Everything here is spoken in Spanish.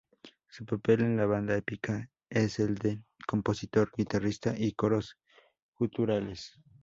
Su papel en la banda Epica es el de compositor, guitarrista y coros guturales.